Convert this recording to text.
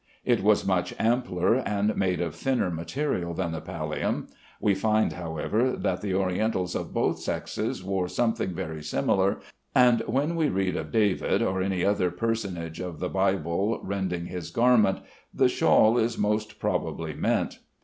It was much ampler and made of thinner material than the pallium; we find, however, that the Orientals of both sexes wore something very similar, and when we read of David or any other personage of the Bible rending his garment, the shawl is most probably meant.